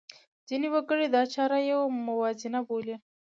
ځینې وګړي دا چاره یوه موازنه بولي.